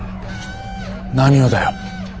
何をだよ。